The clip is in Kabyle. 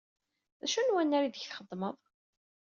D acu n wannar ideg txeddmemt?